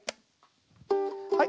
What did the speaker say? はい。